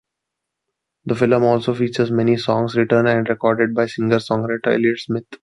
The film also features many songs written and recorded by singer-songwriter Elliott Smith.